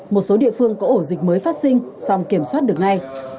một số địa phương có ổ dịch mới phát sinh xong kiểm soát được ngay